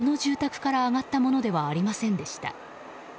火の手はこの住宅から上がったものではありませんでした。